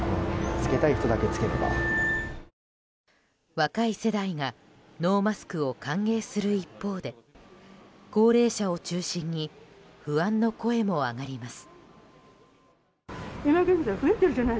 若い世代がノーマスクを歓迎する一方で高齢者を中心に不安の声も上がります。